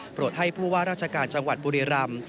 ให้ผู้ว่าราชการจังหวัดบุรีรำ